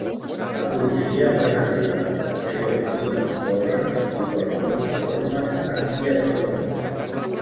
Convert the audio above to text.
La policia fa servir la contenció i les porres, i porta uniformes antiavalots.